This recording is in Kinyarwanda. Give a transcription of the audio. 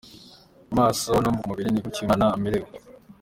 Mu maso no ku mubiri ni gutya uyu mwana amerewe.